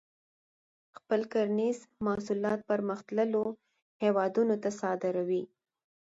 خپل کرنیز محصولات پرمختللو هیوادونو ته صادروي.